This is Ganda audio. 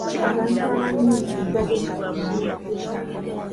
Abantu abalina omusujja gw'enkaka baawuddwa.